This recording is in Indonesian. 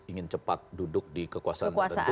ingin cepat duduk di kekuasaan tertentu